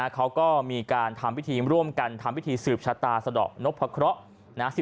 เขาก็มีการทำพิธีร่วมกันทำพิธีสืบชะตาสะดอกนพะเคราะห์